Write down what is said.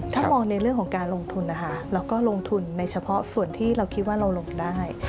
ถ้ามองในเรื่องของการลงทุนนะคะเราก็ลงทุนในเฉพาะส่วนที่เราคิดว่าเราลงได้